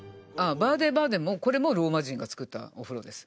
バーデン・バーデンもこれもローマ人が造ったお風呂です